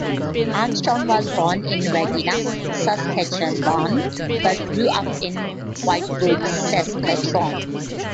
Armstrong was born in Regina, Saskatchewan, but grew up in Whitewood, Saskatchewan.